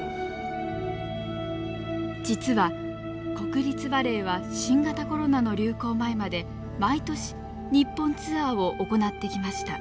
実は国立バレエは新型コロナの流行前まで毎年日本ツアーを行ってきました。